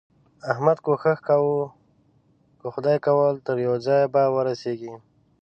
احمده! کوښښ کوه؛ که خدای کول تر يوه ځايه به ورسېږې.